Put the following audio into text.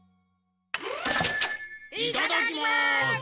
いただきます！